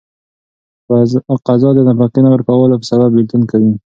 قضا د نفقې نه ورکولو په سبب بيلتون کوي.